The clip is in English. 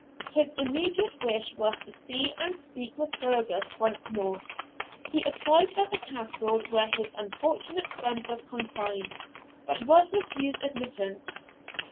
His immediate wish was to see and speak with Fergus once more. He applied at the Castle where his unfortunate friend was confined, but was refused admittance.